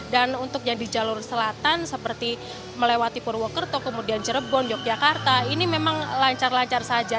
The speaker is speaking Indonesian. dan untuk yang di jalur selatan seperti melewati purwokerto kemudian cirebon yogyakarta ini memang lancar lancar saja